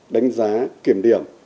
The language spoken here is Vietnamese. đánh giá kiểm điểm